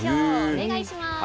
お願いします。